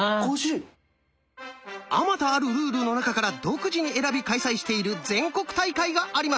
⁉あまたあるルールの中から独自に選び開催している全国大会があります。